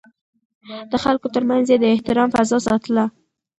د خلکو ترمنځ يې د احترام فضا ساتله.